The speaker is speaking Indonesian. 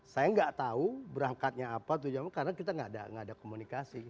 saya nggak tahu berangkatnya apa karena kita nggak ada komunikasi